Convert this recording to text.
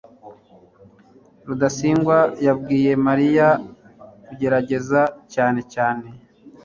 rudasingwa yabwiye mariya kugerageza cyane cyane